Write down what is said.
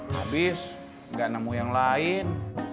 habis nggak nemu yang lain